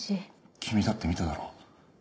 君だって見ただろ。